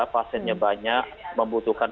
pasiennya banyak membutuhkan